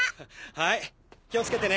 はい気を付けてね。